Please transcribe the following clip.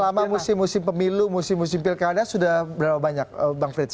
selama musim musim pemilu musim musim pilkada sudah berapa banyak bang frits